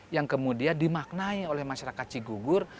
yang kemudian dimaknai oleh masyarakat cigugur